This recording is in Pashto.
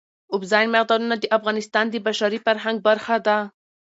اوبزین معدنونه د افغانستان د بشري فرهنګ برخه ده.